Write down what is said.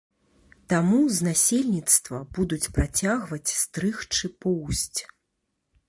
Таму з насельніцтва будуць працягваць стрыгчы поўсць.